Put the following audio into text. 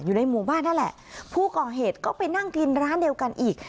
อยู่ในหมู่บ้านนั่นแหละผู้ก่อเหตุก็ไปนั่งกินร้านเดียวกันอีก